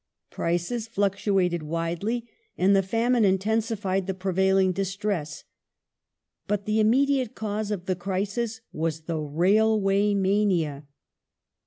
Prices fluctuated widely,^ and the famine intensified the prevailing distress. But the immediate cause of the crisis was the railway mania.